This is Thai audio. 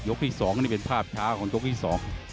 ที่สองนี่เป็นภาพช้าของยกที่สอง